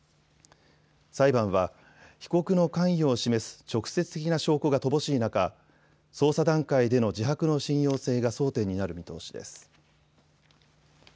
裁判は被告の関与を示す直接的な証拠が乏しい中、捜査段階での自白の信用性が争点になる見通しです。